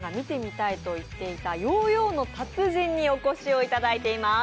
そして更に今日は屋敷さんが見たいと言っていたヨーヨーの達人にお越しをいただいています。